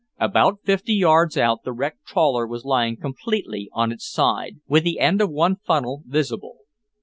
About fifty yards out, the wrecked trawler was lying completely on its side, with the end of one funnel visible.